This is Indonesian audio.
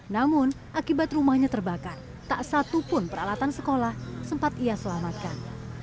namun akibat rumahnya terbakar tak satupun peralatan sekolah sempat ia selamatkan